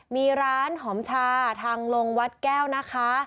มีร้านหอมชาทางลงวัดแก้วนะคะ